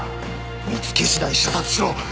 見つけしだい射殺しろ。